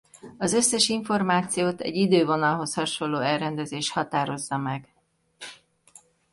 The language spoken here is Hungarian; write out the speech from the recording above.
Az összes információt egy idővonalhoz hasonló elrendezés határozza meg.